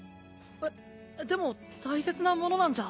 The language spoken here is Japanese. えっでも大切なものなんじゃ。